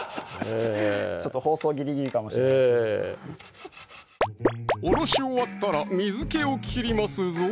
放送ぎりぎりかもしれないですけどおろし終わったら水気を切りますぞ